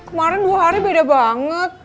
kemarin dua hari beda banget